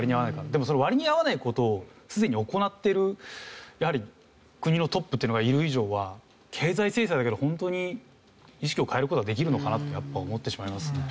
でもその割に合わない事をすでに行っているやはり国のトップっていうのがいる以上は経済制裁だけでホントに意識を変える事はできるのかなってやっぱ思ってしまいますね。